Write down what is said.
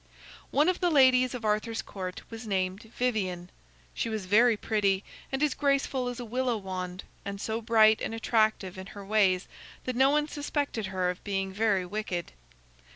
One of the ladies of Arthur's Court was named Vivien. She was very pretty, and as graceful as a willow wand, and so bright and attractive in her ways that no one suspected her of being very wicked.